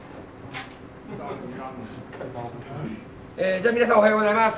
じゃあ皆さんおはようございます。